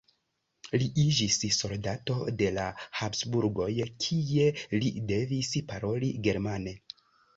Li iĝis soldato de la Habsburgoj, kie li devis paroli germane.